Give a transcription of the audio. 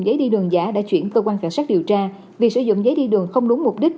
giấy đi đường giả đã chuyển cơ quan cảnh sát điều tra vì sử dụng giấy đi đường không đúng mục đích